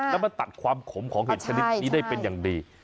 แล้วมันตัดความขมของเห็ดชนิดนี้ได้เป็นอย่างดี